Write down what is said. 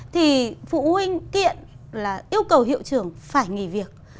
thì phụ huynh kiện là yêu cầu hiệu trưởng phải nghỉ việc